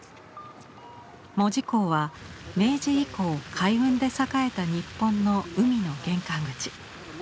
門司港は明治以降海運で栄えた日本の「海の玄関口」。